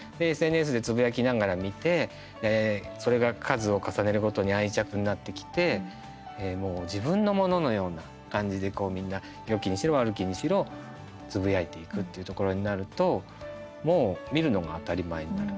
で、ＳＮＳでつぶやきながら見てそれが数を重ねるごとに愛着になってきてもう自分のもののような感じでみんな、よきにしろ悪きにしろつぶやいていくっていうところになるともう見るのが当たり前になる。